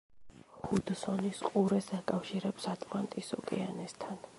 ჰუდსონის ყურეს აკავშირებს ატლანტის ოკეანესთან.